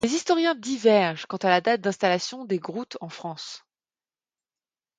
Les historiens divergent quant à la date d'installation des Grout en France.